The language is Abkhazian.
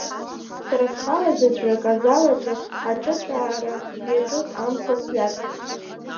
Сара схала заҵәык, азал аҿы аҿыцәаара иаҿыз амца сҩаҵхеит.